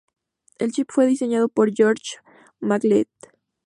El chip fue diseñado por George McLeod.